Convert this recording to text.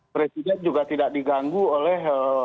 presiden juga tidak diganggu oleh